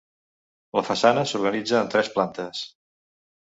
La façana s'organitza en tres plantes.